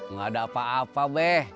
nggak ada apa apa beh